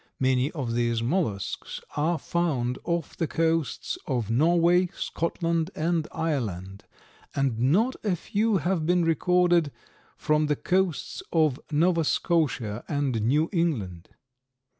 Many of these mollusks are found off the coasts of Norway, Scotland and Ireland, and not a few have been recorded from the coasts of Nova Scotia and New England.